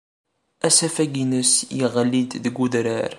Asafag-nnes yeɣli-d deg wedrar.